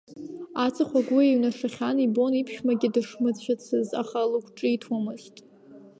Аҵых агәы еиҩнашахьан, ибон иԥшәмагьы дышмыцәацыз, аха лықәҿиҭуамызт.